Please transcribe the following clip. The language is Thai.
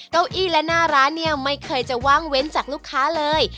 เก้าอี้และหน้าร้านเนี่ยไม่เคยจะว่างเว้นจากลูกค้าเลย